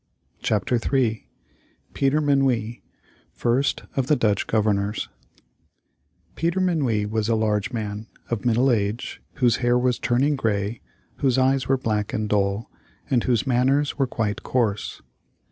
] CHAPTER III PETER MINUIT, FIRST of the DUTCH GOVERNORS Peter Minuit was a large man, of middle age, whose hair was turning gray, whose eyes were black and dull, and whose manners were quite coarse.